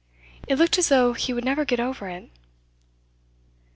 It looked as though he would never get over it.